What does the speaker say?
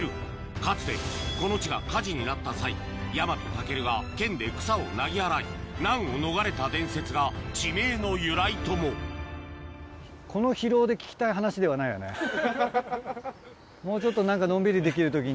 かつてこの地が火事になった際ヤマトタケルが剣で草をなぎ払い難を逃れた伝説が地名の由来とももうちょっと何かのんびりできる時に。